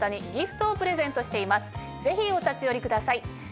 ぜひお立ち寄りください。